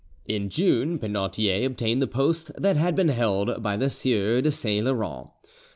In June Penautier obtained the post that had been held by the Sieur de Saint Laurent.